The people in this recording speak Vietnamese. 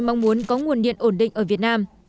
mong muốn có nguồn điện ổn định ở việt nam